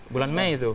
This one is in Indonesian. bulan mei itu